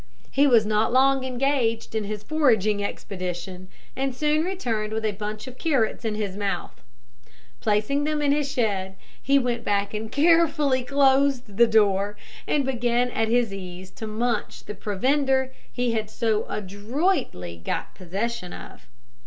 He was not long engaged in his foraging expedition, and soon returned with a bunch of carrots in his mouth. Placing them in his shed, he went back and carefully closed the door, and began at his ease to munch the provender he had so adroitly got possession of.